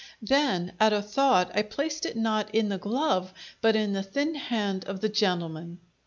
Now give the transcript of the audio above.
Then, at a thought, I placed it not in the glove, but in the thin hand of the gentleman.